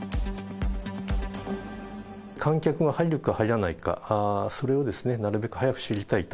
観客が入るか入らないか、それをなるべく早く知りたいと。